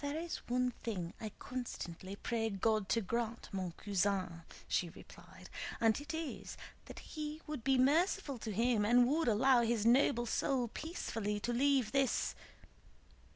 "There is one thing I constantly pray God to grant, mon cousin," she replied, "and it is that He would be merciful to him and would allow his noble soul peacefully to leave this..."